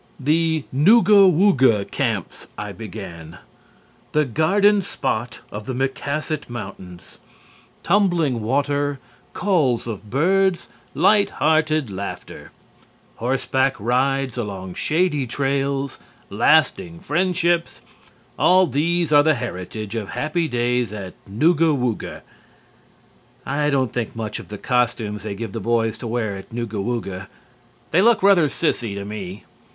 "'The Nooga Wooga Camps,'" I began. "'The Garden Spot of the Micasset Mountains. Tumbling water, calls of birds, light hearted laughter, horseback rides along shady trails, lasting friendships all these are the heritage of happy days at Nooga Wooga.' ... I don't think much of the costumes they give the boys to wear at Nooga Wooga. They look rather sissy to me."